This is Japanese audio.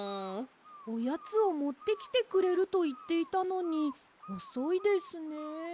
おやつをもってきてくれるといっていたのにおそいですね。